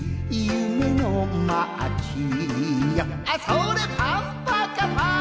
「あそれパンパカパン」